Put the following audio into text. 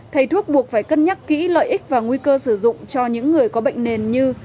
thầy thuốc buộc phải cân nhắc kỹ lợi ích và nguy cơ sử dụng cho những người có bệnh nền như